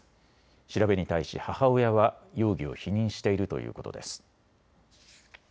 調べに対し母親は容疑を否認しているということです。